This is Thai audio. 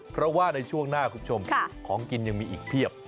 เพราะว่าในช่วงหน้าคุณผู้ชมของกินยังมีอีกเพียบ